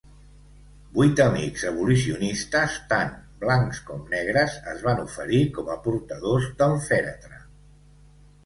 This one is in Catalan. Vuit amics abolicionistes, tant blancs com negres, es van oferir com a portadors del fèretre.